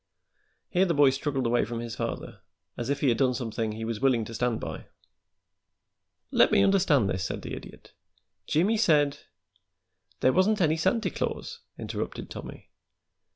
Here the boy struggled away from his father, as if he had done something he was willing to stand by. "Let me understand this," said the Idiot. "Jimmie said " "There wasn't any Santy Claus," interrupted Tommy.